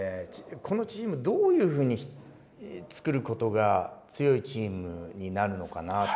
このチームどういう風に作る事が強いチームになるのかなと。